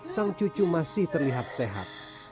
sang cucu masih terlihat sehat